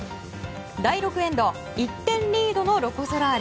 第６エンド１点リードのロコ・ソラーレ。